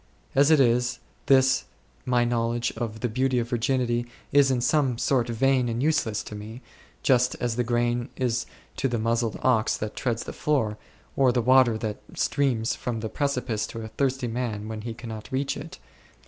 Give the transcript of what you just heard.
As it is, this my knowledge of the beauty of virginity is in some sort vain and useless to me, just as the corn is to the muzzled ox that treads 8 the floor, or the water that streams from the precipice to a thirsty man when he cannot reach it.